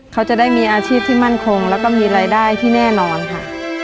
เขาจะได้มีอาชีพที่มั่นคงแล้วก็มีรายได้ที่แน่นอนค่ะ